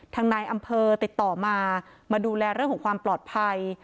ทางนายอำเภอติดต่อมามาดูแลเรื่องของความปลอดภัย